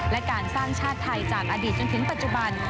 และการสร้างชาติไทยจากอดีตจนถึงปัจจุบัน